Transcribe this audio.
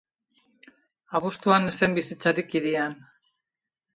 Abuztuan ez zen bizitzarik hirian.